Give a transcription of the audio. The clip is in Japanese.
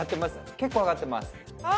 結構上がってますあ！